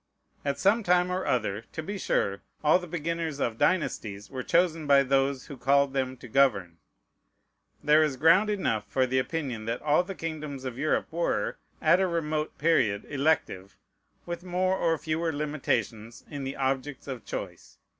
At some time or other, to be sure, all the beginners of dynasties were chosen by those who called them to govern. There is ground enough for the opinion that all the kingdoms of Europe were at a remote period elective, with more or fewer limitations in the objects of choice.